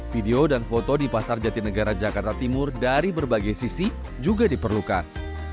video dan foto di pasar jatinegara jakarta timur dari berbagai sisi juga diperlukan